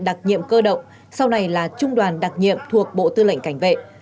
đặc nhiệm cơ động sau này là trung đoàn đặc nhiệm thuộc bộ tư lệnh cảnh vệ